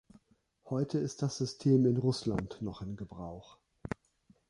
Heute ist das System in Russland noch in Gebrauch.